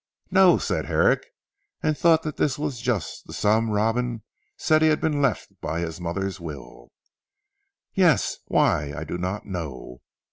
"No!" said Herrick, and thought that this was just the sum Robin said he had been left by his mother's will. "Yes! Why, I do not know.